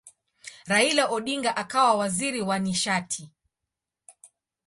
Raila Odinga akawa waziri wa nishati.